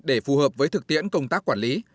để phù hợp với thực tiễn công tác quản lý